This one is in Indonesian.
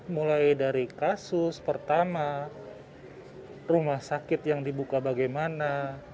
mulai dari kasus pertama rumah sakit yang dibuka bagaimana